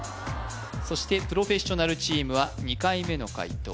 そしてプロフェッショナルチームは２回目の解答